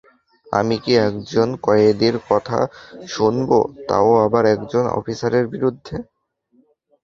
আমি কি একজন কয়েদির কথা শুনব তাও আবার একজন অফিসারের বিরুদ্ধে?